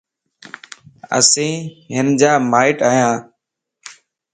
اسين ھنجا ماٽ ايا